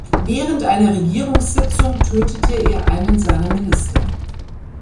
Während einer Regierungssitzung tötete er einen seiner Minister.